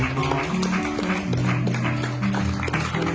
ดีจริง